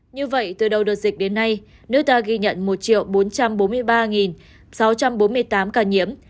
như vậy từ đầu đợt dịch đến nay nước ta ghi nhận một bốn trăm bốn mươi ba sáu trăm bốn mươi tám ca nhiễm